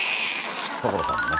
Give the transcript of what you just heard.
所さんのね。